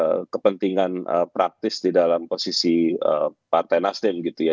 ada kepentingan praktis di dalam posisi partai nasdem gitu ya